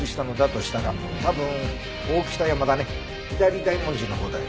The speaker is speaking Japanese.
左大文字のほうだよ。